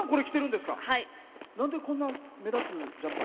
なんで、こんな目立つジャンパー